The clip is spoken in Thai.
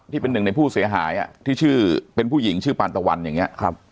ที่เป็นหนึ่งในผู้เสียหายที่ชื่อเป็นผู้หญิงชื่อปานตะวันอย่างนี้